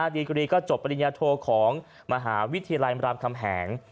ดีกรีก็จบปริญญาโทของมหาวิทยาลัยรามคำแหง